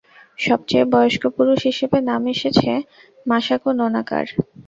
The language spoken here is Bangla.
সবচেয়ে বয়স্ক পুরুষ হিসেবে নাম এসেছে মাসাকো নোনাকার।